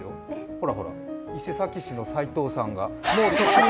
ほら、ほら、伊勢崎市のサイトウさんが。